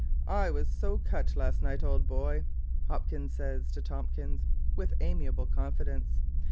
'I was SO cut last night old boy!' Hopkins says to Tomkins (with amiable confidence).